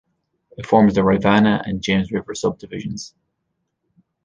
It forms the Rivanna and James River subdivisions.